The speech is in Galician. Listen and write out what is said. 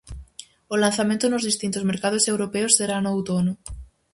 O lanzamento nos distintos mercados europeos será no outono.